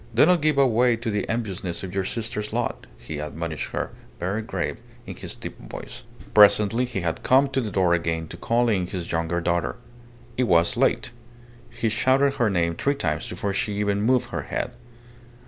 "Do not give way to the enviousness of your sister's lot," he admonished her, very grave, in his deep voice. Presently he had to come to the door again to call in his younger daughter. It was late. He shouted her name three times before she even moved her head.